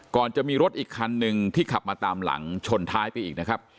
ก่อนจะมีรถอีกคันหนึ่งที่ขับมาตามหลังชนท้ายไปอีกนะครับ